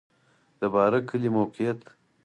د بارک کلی موقعیت